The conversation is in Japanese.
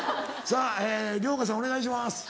さぁ遼河さんお願いします。